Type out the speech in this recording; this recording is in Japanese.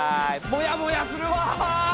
もやもやするわ！